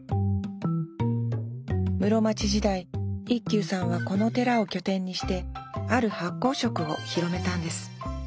室町時代一休さんはこの寺を拠点にしてある発酵食を広めたんです。